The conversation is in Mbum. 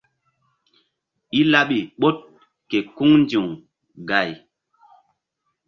I laɓi ɓoɗ ke kuŋ ndi̧w gay.